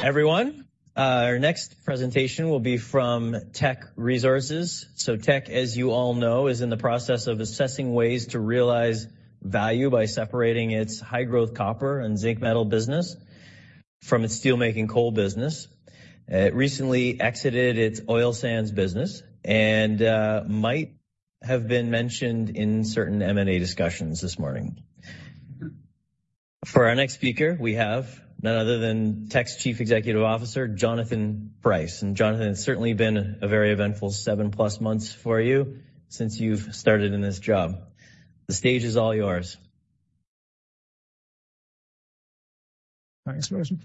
Everyone, our next presentation will be from Teck Resources. Teck, as you all know, is in the process of assessing ways to realize value by separating its high-growth copper and zinc metal business from its steelmaking coal business. It recently exited its oil sands business and might have been mentioned in certain M&A discussions this morning. For our next speaker, we have none other than Teck's Chief Executive Officer, Jonathan Price. Jonathan, it's certainly been a very eventful seven-plus months for you since you've started in this job. The stage is all yours. Thanks, Lawson.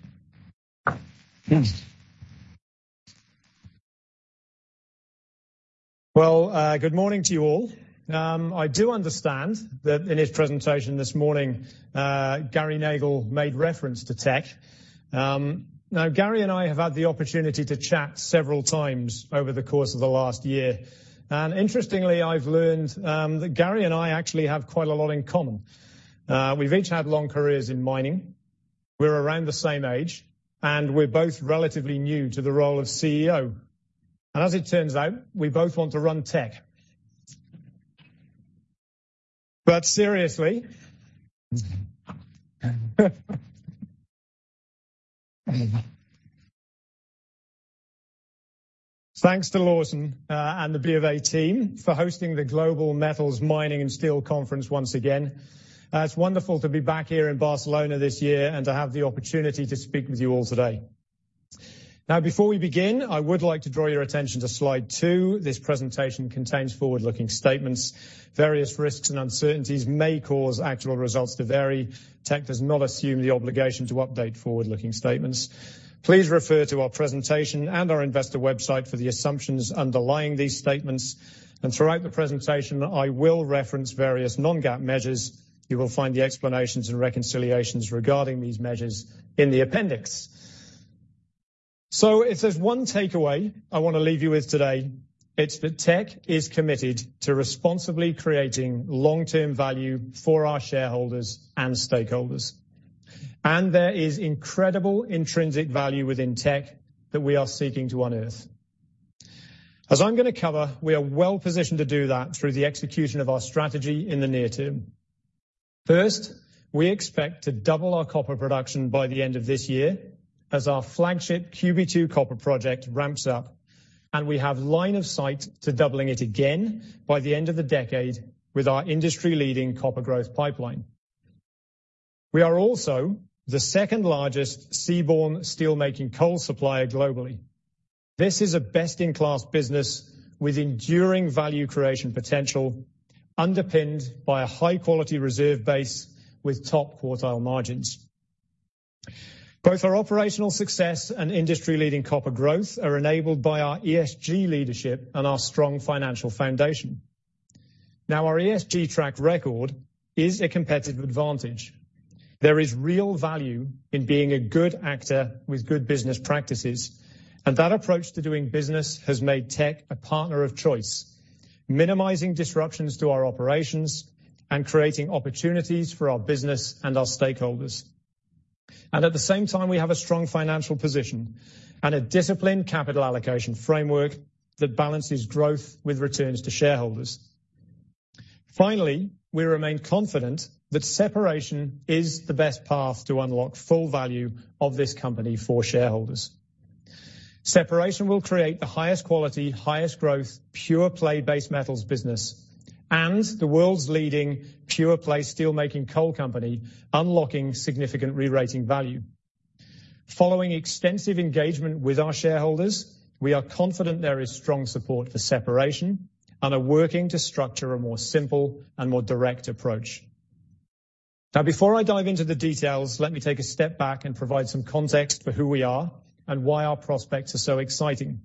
Well, good morning to you all. I do understand that in his presentation this morning, Gary Nagle made reference to Teck. Gary and I have had the opportunity to chat several times over the course of the last year. Interestingly, I've learned that Gary and I actually have quite a lot in common. We've each had long careers in mining, we're around the same age, and we're both relatively new to the role of CEO. As it turns out, we both want to run Teck. Seriously, thanks to Lawson and the BofA team for hosting the Global Metals, Mining and Steel Conference once again. It's wonderful to be back here in Barcelona this year and to have the opportunity to speak with you all today. Now before we begin, I would like to draw your attention to slide two. This presentation contains forward-looking statements. Various risks and uncertainties may cause actual results to vary. Teck does not assume the obligation to update forward-looking statements. Please refer to our presentation and our investor website for the assumptions underlying these statements. Throughout the presentation, I will reference various non-GAAP measures. You will find the explanations and reconciliations regarding these measures in the appendix. If there's one takeaway I want to leave you with today, it's that Teck is committed to responsibly creating long-term value for our shareholders and stakeholders. There is incredible intrinsic value within Teck that we are seeking to unearth. As I'm going to cover, we are well-positioned to do that through the execution of our strategy in the near term. First, we expect to double our copper production by the end of this year as our flagship QB2 copper project ramps up. We have line of sight to doubling it again by the end of the decade with our industry-leading copper growth pipeline. We are also the second largest seaborne steelmaking coal supplier globally. This is a best-in-class business with enduring value creation potential, underpinned by a high quality reserve base with top quartile margins. Both our operational success and industry-leading copper growth are enabled by our ESG leadership and our strong financial foundation. Our ESG track record is a competitive advantage. There is real value in being a good actor with good business practices. That approach to doing business has made Teck a partner of choice, minimizing disruptions to our operations and creating opportunities for our business and our stakeholders. At the same time, we have a strong financial position and a disciplined capital allocation framework that balances growth with returns to shareholders. Finally, we remain confident that separation is the best path to unlock full value of this company for shareholders. Separation will create the highest quality, highest growth, pure-play base metals business, and the world's leading pure-play steelmaking coal company, unlocking significant rerating value. Following extensive engagement with our shareholders, we are confident there is strong support for separation and are working to structure a more simple and more direct approach. Before I dive into the details, let me take a step back and provide some context for who we are and why our prospects are so exciting.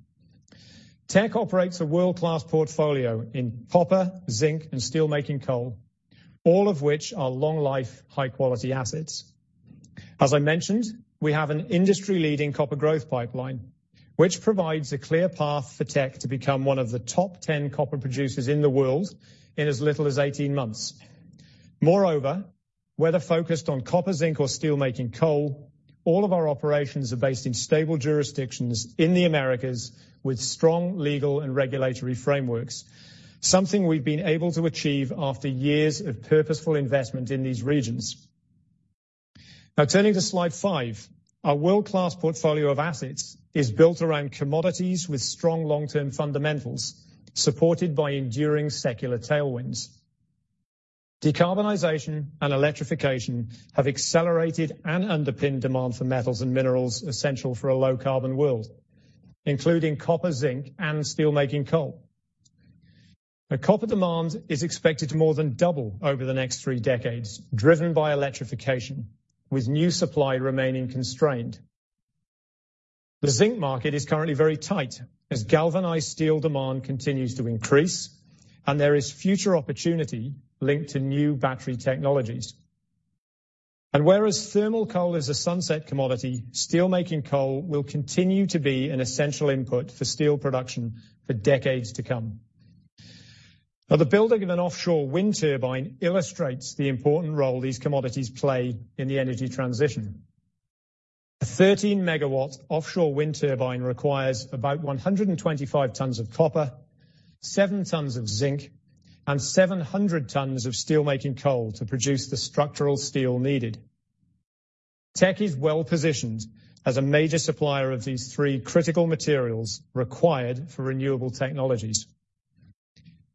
Teck operates a world-class portfolio in copper, zinc, and steelmaking coal, all of which are long-life, high-quality assets. As I mentioned, we have an industry-leading copper growth pipeline, which provides a clear path for Teck to become one of the top 10 copper producers in the world in as little as 18 months. Moreover, whether focused on copper, zinc, or steelmaking coal, all of our operations are based in stable jurisdictions in the Americas with strong legal and regulatory frameworks, something we've been able to achieve after years of purposeful investment in these regions. Turning to slide five. Our world-class portfolio of assets is built around commodities with strong long-term fundamentals, supported by enduring secular tailwinds. Decarbonization and electrification have accelerated and underpinned demand for metals and minerals essential for a low carbon world, including copper, zinc, and steelmaking coal. A copper demand is expected to more than double over the next three decades, driven by electrification, with new supply remaining constrained. The zinc market is currently very tight as galvanized steel demand continues to increase, there is future opportunity linked to new battery technologies. Whereas thermal coal is a sunset commodity, steelmaking coal will continue to be an essential input for steel production for decades to come. The building of an offshore wind turbine illustrates the important role these commodities play in the energy transition. A 13 MW offshore wind turbine requires about 125 tons of copper, 7 tons of zinc, and 700 tons of steelmaking coal to produce the structural steel needed. Teck is well-positioned as a major supplier of these three critical materials required for renewable technologies.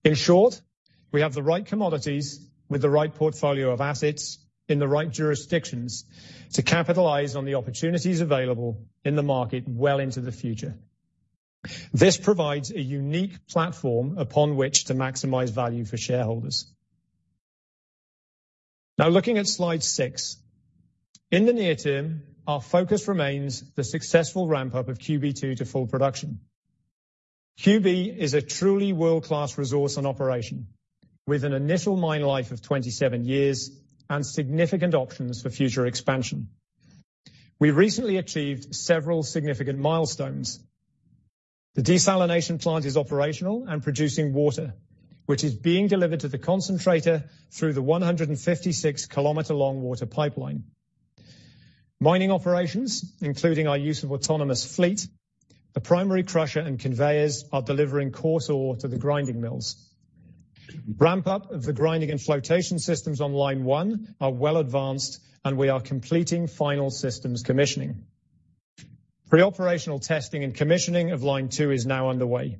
In short, we have the right commodities with the right portfolio of assets in the right jurisdictions to capitalize on the opportunities available in the market well into the future. This provides a unique platform upon which to maximize value for shareholders. Looking at slide six. In the near term, our focus remains the successful ramp-up of QB2 to full production. QB is a truly world-class resource in operation, with an initial mine life of 27 years and significant options for future expansion. We recently achieved several significant milestones. The desalination plant is operational and producing water, which is being delivered to the concentrator through the 156 km long water pipeline. Mining operations, including our use of autonomous fleet, the primary crusher and conveyors are delivering coarse ore to the grinding mills. Ramp-up of the grinding and flotation systems on line one are well advanced, we are completing final systems commissioning. Pre-operational testing and commissioning of line two is now underway.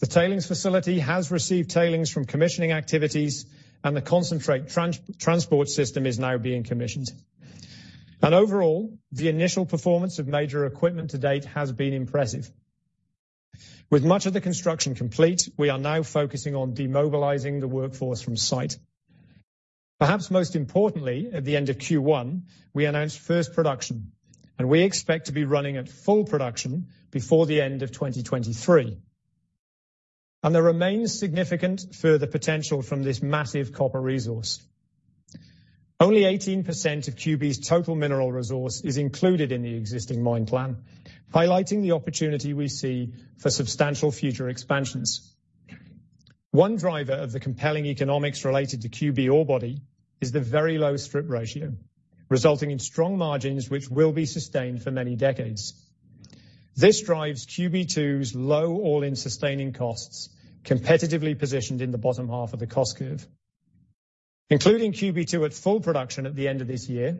The tailings facility has received tailings from commissioning activities, the concentrate transport system is now being commissioned. Overall, the initial performance of major equipment to date has been impressive. With much of the construction complete, we are now focusing on demobilizing the workforce from site. Perhaps most importantly, at the end of Q1, we announced first production, and we expect to be running at full production before the end of 2023. There remains significant further potential from this massive copper resource. Only 18% of QB's total mineral resource is included in the existing mine plan, highlighting the opportunity we see for substantial future expansions. One driver of the compelling economics related to QB ore body is the very low strip ratio, resulting in strong margins which will be sustained for many decades. This drives QB2's low all-in sustaining costs, competitively positioned in the bottom half of the cost curve. Including QB2 at full production at the end of this year,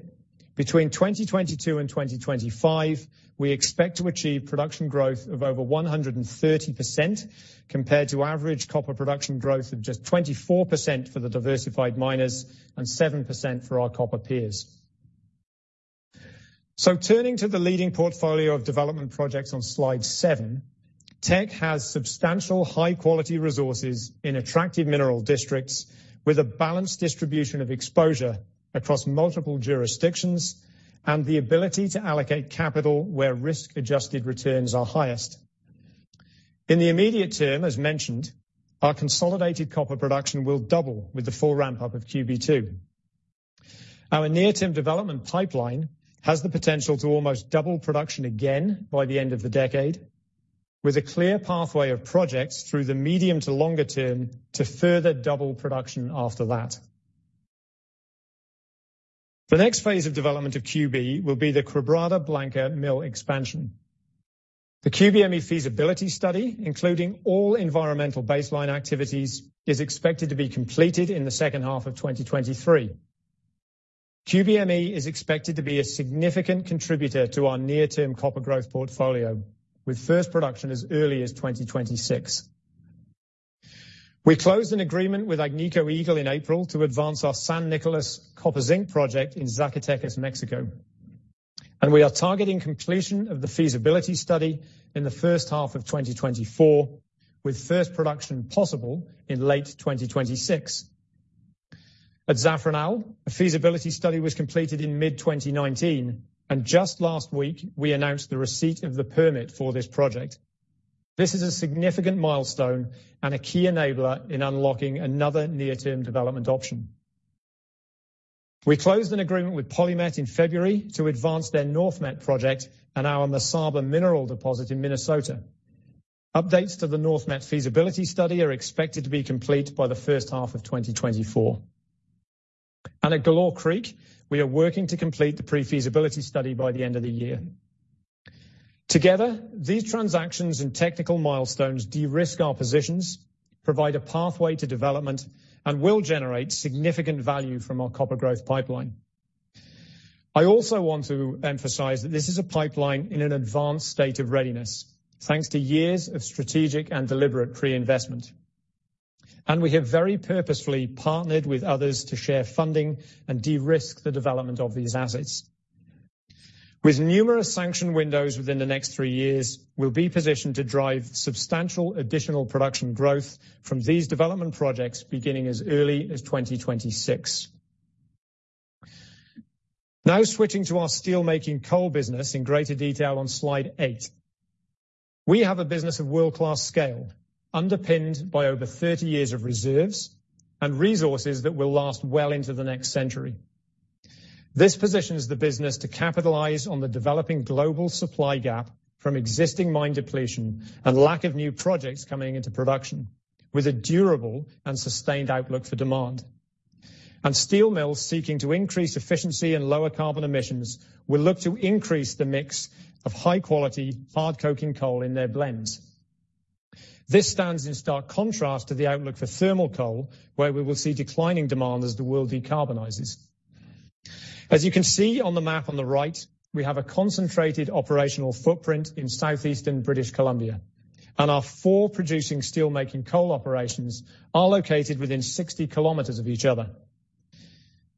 between 2022 and 2025, we expect to achieve production growth of over 130% compared to average copper production growth of just 24% for the diversified miners and 7% for our copper peers. Turning to the leading portfolio of development projects on slide seven, Teck has substantial high-quality resources in attractive mineral districts with a balanced distribution of exposure across multiple jurisdictions and the ability to allocate capital where risk-adjusted returns are highest. In the immediate term, as mentioned, our consolidated copper production will double with the full ramp-up of QB2. Our near-term development pipeline has the potential to almost double production again by the end of the decade, with a clear pathway of projects through the medium to longer term to further double production after that. The next phase of development of QB will be the Quebrada Blanca Mill Expansion. The QBME feasibility study, including all environmental baseline activities, is expected to be completed in the second half of 2023. QBME is expected to be a significant contributor to our near-term copper growth portfolio, with first production as early as 2026. We closed an agreement with Agnico Eagle in April to advance our San Nicolas copper zinc project in Zacatecas, Mexico. We are targeting completion of the feasibility study in the first half of 2024, with first production possible in late 2026. At Zafranal, a feasibility study was completed in mid-2019. Just last week we announced the receipt of the permit for this project. This is a significant milestone and a key enabler in unlocking another near-term development option. We closed an agreement with PolyMet in February to advance their NorthMet project and our Mesaba mineral deposit in Minnesota. Updates to the NorthMet feasibility study are expected to be complete by the first half of 2024. At Galore Creek, we are working to complete the pre-feasibility study by the end of the year. Together, these transactions and technical milestones de-risk our positions, provide a pathway to development, and will generate significant value from our copper growth pipeline. I also want to emphasize that this is a pipeline in an advanced state of readiness, thanks to years of strategic and deliberate pre-investment. We have very purposefully partnered with others to share funding and de-risk the development of these assets. With numerous sanction windows within the next three years, we'll be positioned to drive substantial additional production growth from these development projects beginning as early as 2026. Now switching to our steelmaking coal business in greater detail on slide eight. We have a business of world-class scale underpinned by over 30 years of reserves and resources that will last well into the next century. This positions the business to capitalize on the developing global supply gap from existing mine depletion and lack of new projects coming into production with a durable and sustained outlook for demand. Steel mills seeking to increase efficiency and lower carbon emissions will look to increase the mix of high-quality hard coking coal in their blends. This stands in stark contrast to the outlook for thermal coal, where we will see declining demand as the world decarbonizes. As you can see on the map on the right, we have a concentrated operational footprint in southeastern British Columbia, and our four producing steelmaking coal operations are located within 60 km of each other.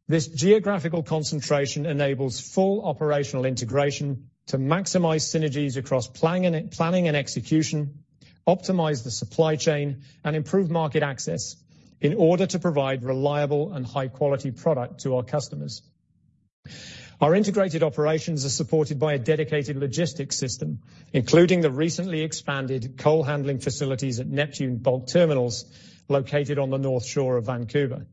This geographical concentration enables full operational integration to maximize synergies across planning and execution, optimize the supply chain, and improve market access in order to provide reliable and high-quality product to our customers. Our integrated operations are supported by a dedicated logistics system, including the recently expanded coal handling facilities at Neptune Bulk Terminals, located on the north shore of Vancouver.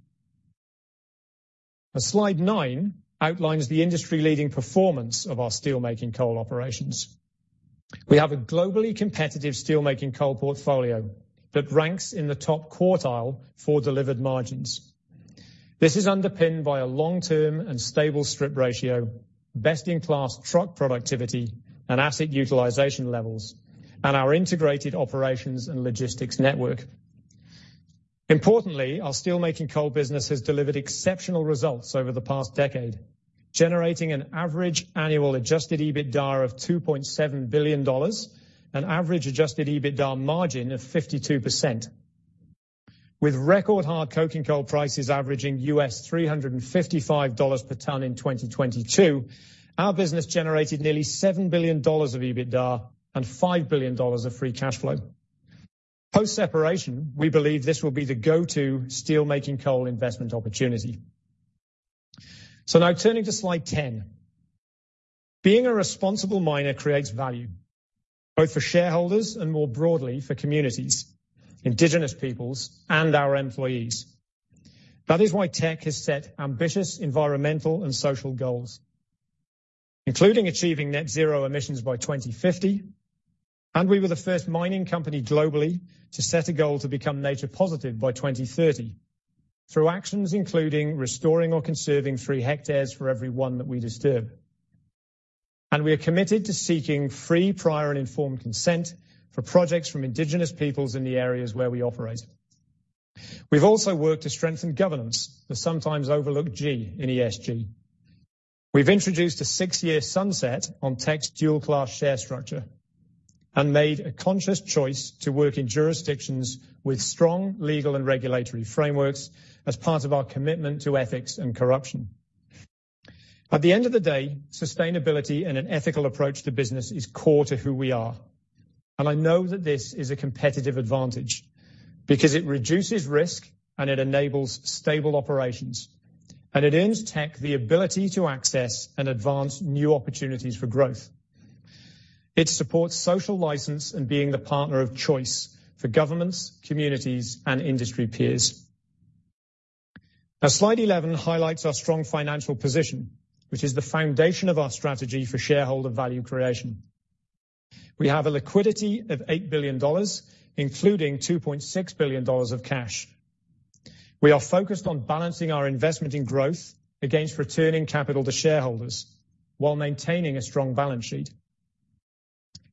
Now, slide nine outlines the industry-leading performance of our steelmaking coal operations. We have a globally competitive steelmaking coal portfolio that ranks in the top quartile for delivered margins. This is underpinned by a long-term and stable strip ratio, best-in-class truck productivity and asset utilization levels, and our integrated operations and logistics network. Our steelmaking coal business has delivered exceptional results over the past decade, generating an average annual adjusted EBITDA of $2.7 billion and average Adjusted EBITDA margin of 52%. With record hard coking coal prices averaging $355 per ton in 2022, our business generated nearly $7 billion of EBITDA and $5 billion of free cash flow. Post-separation, we believe this will be the go-to steelmaking coal investment opportunity. Now turning to slide 10. Being a responsible miner creates value, both for shareholders and more broadly for communities, Indigenous peoples, and our employees. That is why Teck has set ambitious environmental and social goals, including achieving net zero emissions by 2050. We were the first mining company globally to set a goal to become nature positive by 2030 through actions including restoring or conserving three hectares for every one that we disturb. We are committed to seeking Free, Prior, and Informed Consent for projects from Indigenous peoples in the areas where we operate. We've also worked to strengthen governance, the sometimes overlooked G in ESG. We've introduced a six-year sunset on Teck's dual-class share structure and made a conscious choice to work in jurisdictions with strong legal and regulatory frameworks as part of our commitment to ethics and corruption. At the end of the day, sustainability and an ethical approach to business is core to who we are, and I know that this is a competitive advantage because it reduces risk, and it enables stable operations, and it earns Teck the ability to access and advance new opportunities for growth. It supports social license and being the partner of choice for governments, communities, and industry peers. Slide 11 highlights our strong financial position, which is the foundation of our strategy for shareholder value creation. We have a liquidity of $8 billion, including $2.6 billion of cash. We are focused on balancing our investment in growth against returning capital to shareholders while maintaining a strong balance sheet.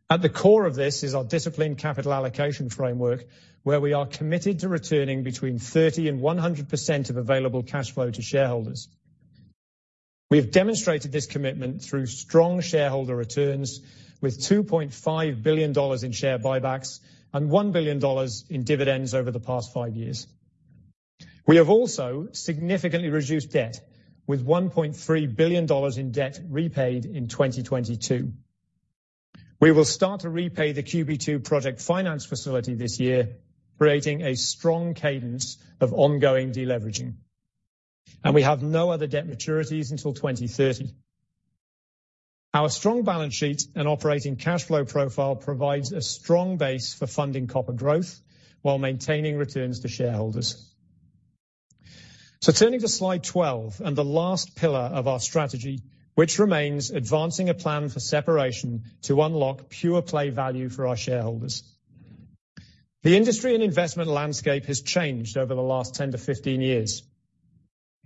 At the core of this is our disciplined capital allocation framework, where we are committed to returning between 30% and 100% of available cash flow to shareholders. We have demonstrated this commitment through strong shareholder returns with $2.5 billion in share buybacks and $1 billion in dividends over the past five years. We have also significantly reduced debt with $1.3 billion in debt repaid in 2022. We will start to repay the QB2 project finance facility this year, creating a strong cadence of ongoing deleveraging. We have no other debt maturities until 2030. Our strong balance sheet and operating cash flow profile provides a strong base for funding copper growth while maintaining returns to shareholders. Turning to slide 12 and the last pillar of our strategy, which remains advancing a plan for separation to unlock pure-play value for our shareholders. The industry and investment landscape has changed over the last 10-15 years.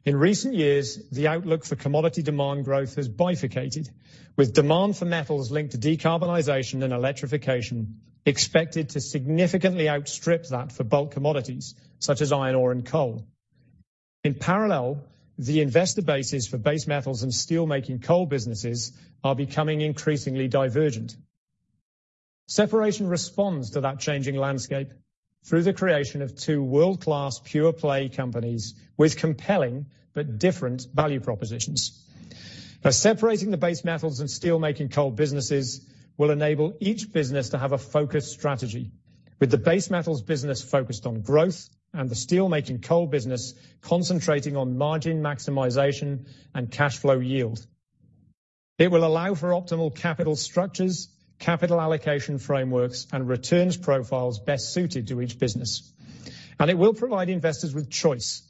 In recent years, the outlook for commodity demand growth has bifurcated, with demand for metals linked to decarbonization and electrification expected to significantly outstrip that for bulk commodities such as iron ore and coal. In parallel, the investor bases for base metals and steelmaking coal businesses are becoming increasingly divergent. Separation responds to that changing landscape through the creation of two world-class pure-play companies with compelling but different value propositions. Separating the base metals and steelmaking coal businesses will enable each business to have a focused strategy. With the base metals business focused on growth and the steelmaking coal business concentrating on margin maximization and cash flow yield, it will allow for optimal capital structures, capital allocation frameworks, and returns profiles best suited to each business. It will provide investors with choice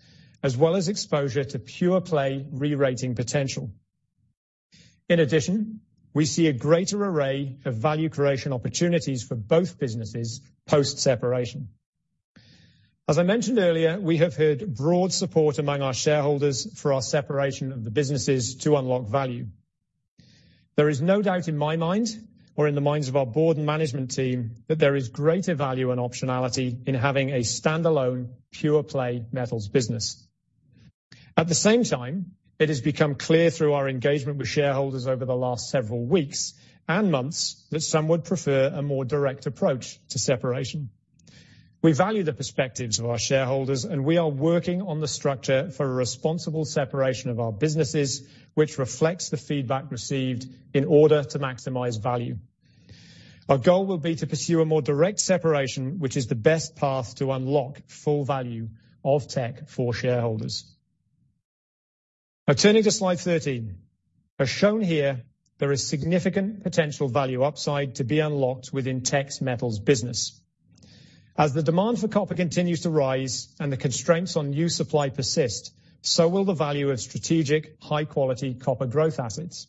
as well as exposure to pure-play re-rating potential. In addition, we see a greater array of value creation opportunities for both businesses post-separation. As I mentioned earlier, we have heard broad support among our shareholders for our separation of the businesses to unlock value. There is no doubt in my mind or in the minds of our board and management team that there is greater value and optionality in having a standalone pure-play metals business. At the same time, it has become clear through our engagement with shareholders over the last several weeks and months that some would prefer a more direct approach to separation. We value the perspectives of our shareholders, and we are working on the structure for a responsible separation of our businesses, which reflects the feedback received in order to maximize value. Our goal will be to pursue a more direct separation, which is the best path to unlock full value of Teck for shareholders. Turning to slide 13. As shown here, there is significant potential value upside to be unlocked within Teck's metals business. As the demand for copper continues to rise and the constraints on new supply persist, so will the value of strategic high-quality copper growth assets.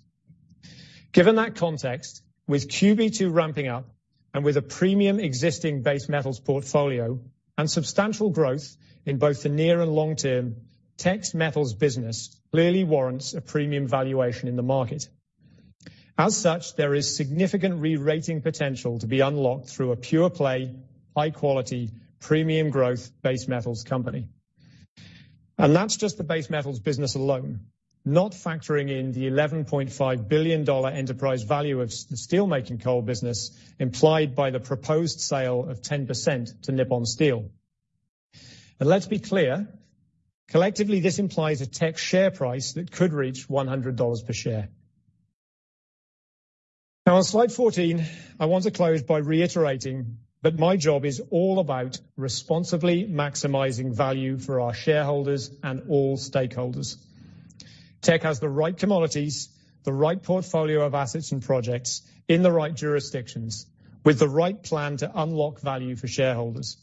Given that context, with QB2 ramping up and with a premium existing base metals portfolio and substantial growth in both the near and long term, Teck's metals business clearly warrants a premium valuation in the market. As such, there is significant re-rating potential to be unlocked through a pure-play, high-quality, premium growth base metals company. That's just the base metals business alone, not factoring in the $11.5 billion enterprise value of the steelmaking coal business implied by the proposed sale of 10% to Nippon Steel. Collectively, this implies a Teck share price that could reach $100 per share. On slide 14, I want to close by reiterating that my job is all about responsibly maximizing value for our shareholders and all stakeholders. Teck has the right commodities, the right portfolio of assets and projects in the right jurisdictions with the right plan to unlock value for shareholders.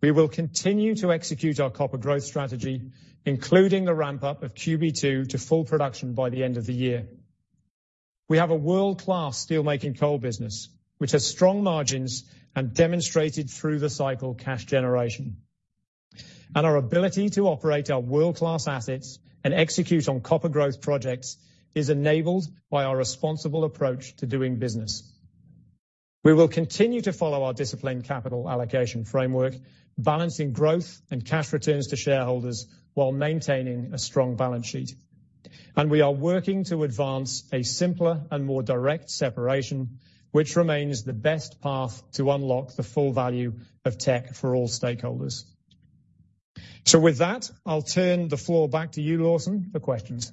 We will continue to execute our copper growth strategy, including the ramp-up of QB2 to full production by the end of the year. We have a world-class steelmaking coal business, which has strong margins and demonstrated through the cycle cash generation. Our ability to operate our world-class assets and execute on copper growth projects is enabled by our responsible approach to doing business. We will continue to follow our disciplined capital allocation framework, balancing growth and cash returns to shareholders while maintaining a strong balance sheet. We are working to advance a simpler and more direct separation, which remains the best path to unlock the full value of Teck for all stakeholders. With that, I'll turn the floor back to you, Lawson, for questions.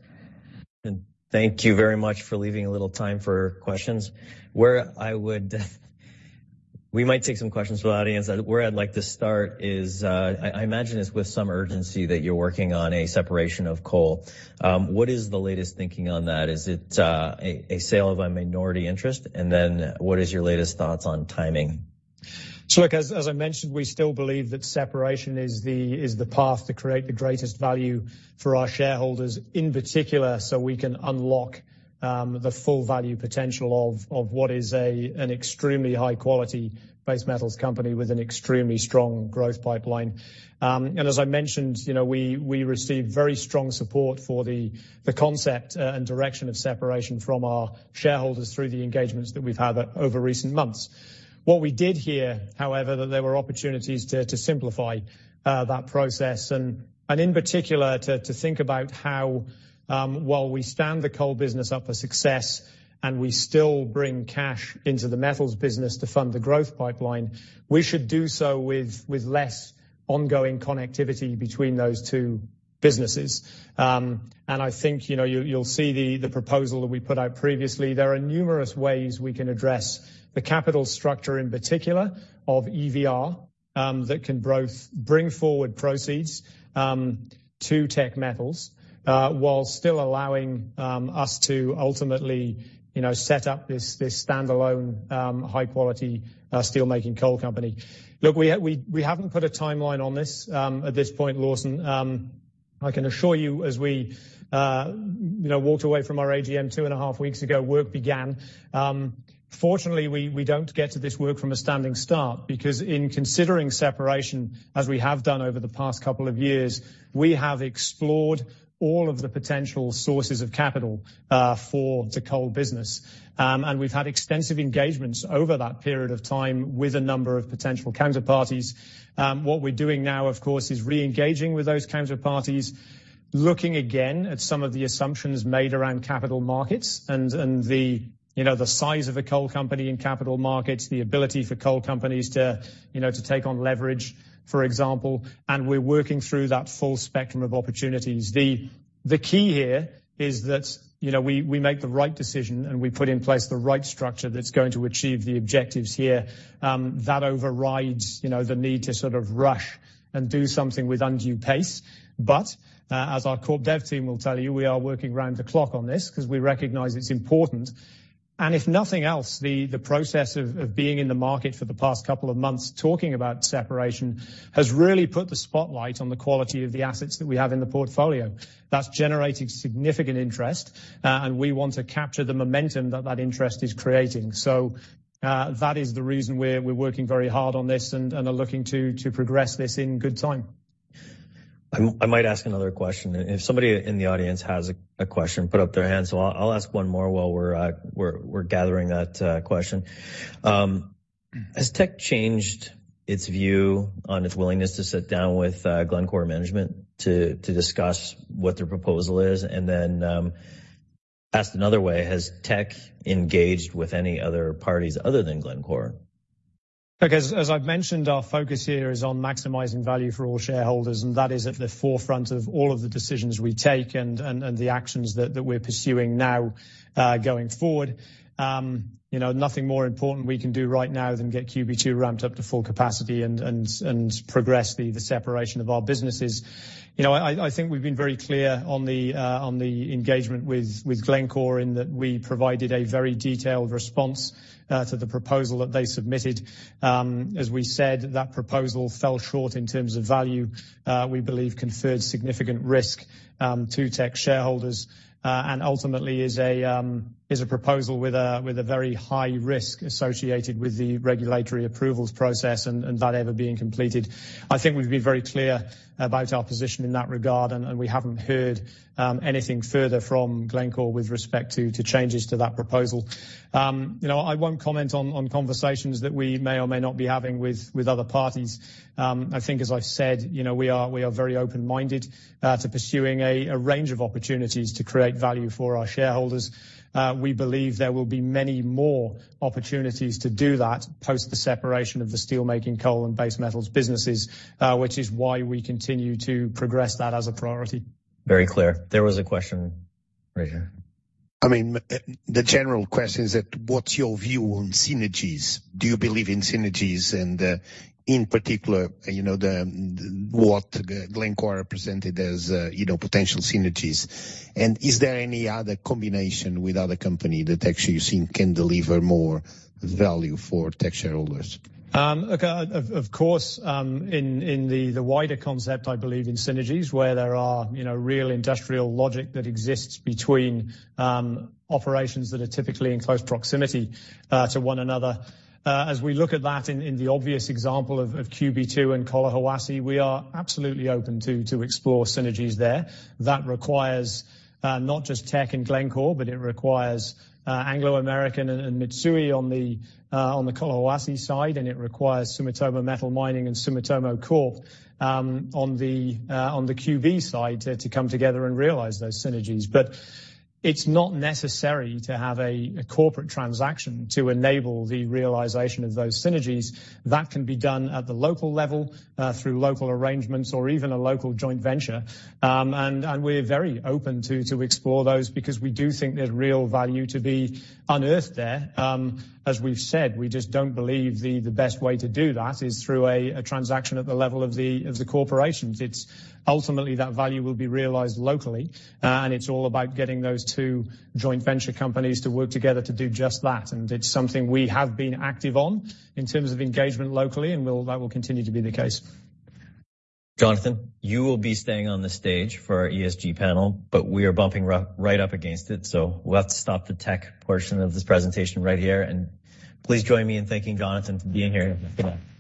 Thank you very much for leaving a little time for questions. We might take some questions from the audience. Where I'd like to start is, I imagine it's with some urgency that you're working on a separation of coal. What is the latest thinking on that? Is it a sale of a minority interest? What is your latest thoughts on timing? Look, as I mentioned, we still believe that separation is the path to create the greatest value for our shareholders, in particular, so we can unlock the full value potential of what is an extremely high-quality base metals company with an extremely strong growth pipeline. As I mentioned, you know, we receive very strong support for the concept and direction of separation from our shareholders through the engagements that we've had over recent months. What we did hear, however, that there were opportunities to simplify that process and in particular to think about how, while we stand the coal business up for success, and we still bring cash into the metals business to fund the growth pipeline, we should do so with less ongoing connectivity between those two businesses. I think, you know, you'll see the proposal that we put out previously. There are numerous ways we can address the capital structure, in particular of EVR, that can bring forward proceeds to Teck Metals, while still allowing us to ultimately, you know, set up this standalone high-quality steelmaking coal company. We haven't put a timeline on this at this point, Lawson. I can assure you, as we, you know, walked away from our AGM 2.5 weeks ago, work began. Fortunately, we don't get to this work from a standing start because in considering separation, as we have done over the past couple of years, we have explored all of the potential sources of capital for the coal business. We've had extensive engagements over that period of time with a number of potential counterparties. What we're doing now, of course, is re-engaging with those counterparties, looking again at some of the assumptions made around capital markets and the, you know, the size of a coal company in capital markets, the ability for coal companies to, you know, to take on leverage, for example. We're working through that full spectrum of opportunities. The key here is that, you know, we make the right decision, and we put in place the right structure that's going to achieve the objectives here. That overrides, you know, the need to sort of rush and do something with undue pace. As our corp dev team will tell you, we are working around the clock on this because we recognize it's important. If nothing else, the process of being in the market for the past couple of months talking about separation has really put the spotlight on the quality of the assets that we have in the portfolio. That's generated significant interest, and we want to capture the momentum that interest is creating. That is the reason we're working very hard on this and are looking to progress this in good time. I might ask another question. If somebody in the audience has a question, put up their hand. I'll ask one more while we're gathering that question. Has Teck changed its view on its willingness to sit down with Glencore management to discuss what their proposal is? Asked another way, has Teck engaged with any other parties other than Glencore? As I've mentioned, our focus here is on maximizing value for all shareholders, and that is at the forefront of all of the decisions we take and the actions that we're pursuing now going forward. You know, nothing more important we can do right now than get QB2 ramped up to full capacity and progress the separation of our businesses. You know, I think we've been very clear on the engagement with Glencore in that we provided a very detailed response to the proposal that they submitted. As we said, that proposal fell short in terms of value, we believe conferred significant risk to Teck shareholders, and ultimately is a proposal with a very high risk associated with the regulatory approvals process and that ever being completed. I think we've been very clear about our position in that regard, and we haven't heard anything further from Glencore with respect to changes to that proposal. You know, I won't comment on conversations that we may or may not be having with other parties. I think as I've said, you know, we are very open-minded to pursuing a range of opportunities to create value for our shareholders. We believe there will be many more opportunities to do that post the separation of the steelmaking, coal, and base metals businesses, which is why we continue to progress that as a priority. Very clear. There was a question right here. I mean, the general question is that what's your view on synergies? Do you believe in synergies and, in particular, you know, what Glencore presented as, you know, potential synergies? Is there any other combination with other company that actually you think can deliver more value for Teck shareholders? Okay, of course, in the wider concept, I believe in synergies where there are, you know, real industrial logic that exists between operations that are typically in close proximity to one another. As we look at that in the obvious example of QB2 and Collahuasi, we are absolutely open to explore synergies there. That requires not just Teck and Glencore, but it requires Anglo American and Mitsui on the Collahuasi side, and it requires Sumitomo Metal Mining and Sumitomo Corp on the QB side to come together and realize those synergies. It's not necessary to have a corporate transaction to enable the realization of those synergies. That can be done at the local level through local arrangements or even a local joint venture. We're very open to explore those because we do think there's real value to be unearthed there. As we've said, we just don't believe the best way to do that is through a transaction at the level of the corporations. It's ultimately that value will be realized locally, and it's all about getting those two joint venture companies to work together to do just that. It's something we have been active on in terms of engagement locally, that will continue to be the case. Jonathan, you will be staying on the stage for our ESG panel, but we are bumping right up against it. We'll have to stop the Teck portion of this presentation right here. Please join me in thanking Jonathan for being here. Thank you. Thanks a lot.